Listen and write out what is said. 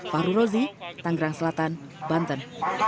fahru rozi tanggerang selatan banten